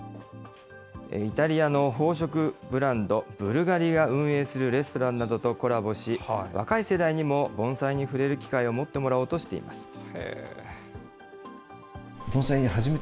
イタリアの宝飾ブランド、ブルガリが運営するレストランなどとコラボし、若い世代にも盆栽に触れる機会を持ってもらおうとしています。